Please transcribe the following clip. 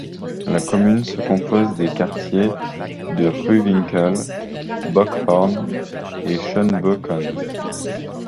La commune se compose des quartiers de Ruhwinkel, Bockhorn et Schönböken.